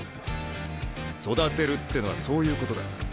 育てるってのはそういうことだ。